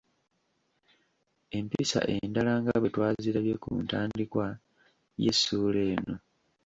Empisa endala nga bwe twazirabye ku ntandikwa y’essuula eno.